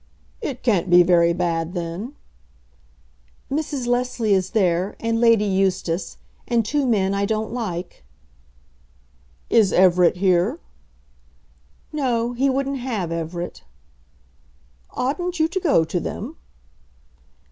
"It can't be very bad, then." "Mrs. Leslie is there, and Lady Eustace, and two men I don't like." "Is Everett here?" "No; he wouldn't have Everett." "Oughtn't you to go to them?"